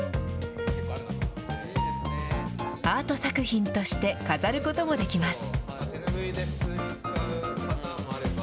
アート作品として飾ることもできます。